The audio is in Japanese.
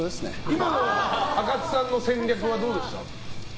今のあかつさんの戦略はどうでした？